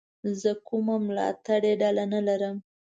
زه کومه ملاتړلې ډله نه لرم.